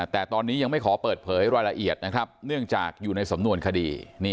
แต่ตอนนี้ยังไม่ขอเปิดเผยรายละเอียดนะครับเนื่องจากอยู่ในสำนวนคดี